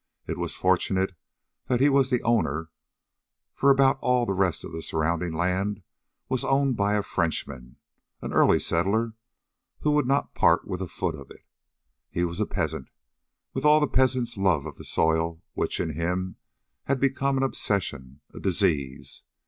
It was fortunate that he was the owner, for about all the rest of the surrounding land was owned by a Frenchman an early settler. He would not part with a foot of it. He was a peasant, with all the peasant's love of the soil, which, in him, had become an obsession, a disease.